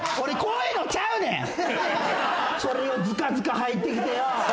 それをずかずか入ってきてよ。